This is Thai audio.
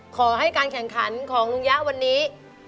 ขอให้การแข่งขันของลุงยะวันนี้